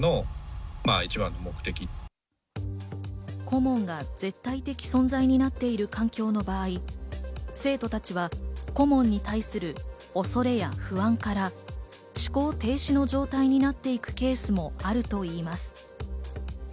顧問が絶対的存在になっている環境の場合、生徒たちは、顧問に対する恐れや不安から思考停止の状態になっていくケースもあるといいます。